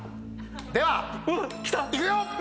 ではいくよ！